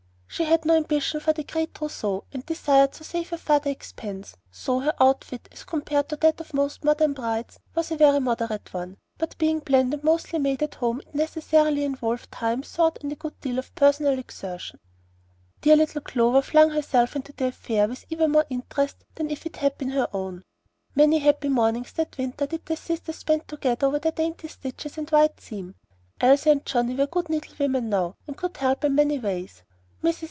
She had no ambition for a great trousseau, and desired to save her father expense; so her outfit, as compared with that of most modern brides, was a very moderate one, but being planned and mostly made at home, it necessarily involved thought, time, and a good deal of personal exertion. Dear little Clover flung herself into the affair with even more interest than if it had been her own. Many happy mornings that winter did the sisters spend together over their dainty stitches and "white seam." Elsie and Johnnie were good needle women now, and could help in many ways. Mrs.